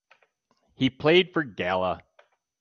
He played for Gala.